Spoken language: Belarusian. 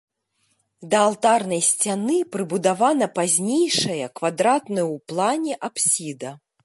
Да алтарнай сцяны прыбудавана пазнейшая квадратная ў плане апсіда.